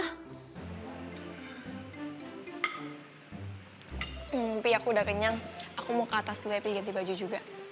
hmm pi aku udah kenyang aku mau ke atas dulu ya pilih ganti baju juga